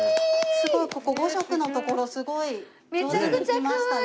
すごいここ５色の所すごい上手にいきましたね。